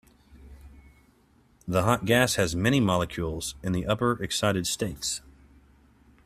The hot gas has many molecules in the upper excited states.